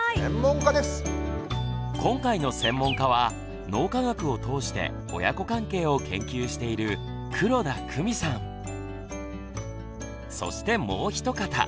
今回の専門家は脳科学を通して親子関係を研究しているそしてもう一方。